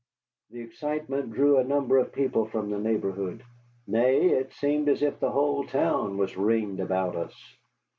The excitement drew a number of people from the neighborhood. Nay, it seemed as if the whole town was ringed about us.